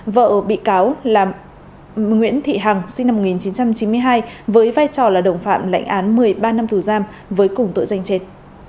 vợ bị cáo là nguyễn thị hằng sinh năm một nghìn chín trăm chín mươi hai với vai trò là đồng phạm lãnh án một mươi ba năm tù giam với cùng tội danh trên